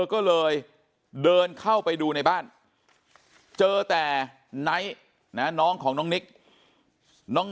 ก็เลยเดินเข้าไปดูในบ้านเจอแต่ไนท์นะน้องของน้องนิกน้อง